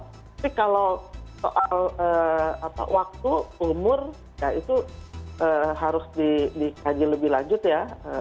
tapi kalau soal waktu umur ya itu harus dikaji lebih lanjut ya